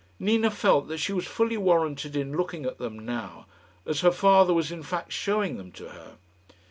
Nina felt that she was fully warranted in looking at them now, as her father was in fact showing them to her.